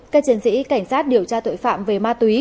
các chiến sĩ cảnh sát điều tra tội phạm về ma túy